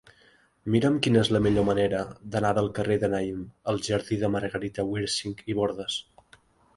Mira'm quina és la millor manera d'anar del carrer de Naïm al jardí de Margarita Wirsing i Bordas.